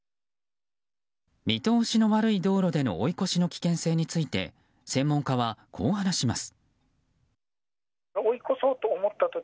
見通しの悪い道路での追い越しの危険性について専門家は、こう話します。